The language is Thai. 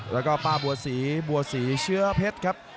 และก็ป้าบัวสีบัวสีเชื้อเพชครับ